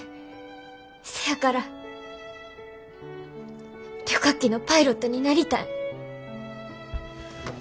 せやから旅客機のパイロットになりたい。